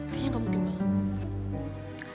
kayaknya gak mungkin pak